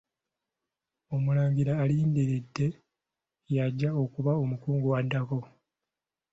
Omulangira alindiridde y'ajja okuba omukungu addako.